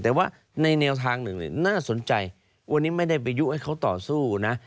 แต่ว่าในแนวทางหนึ่งน่าสนใจวันนี้ไม่ได้ไปยุให้เขาต่อสู้นะ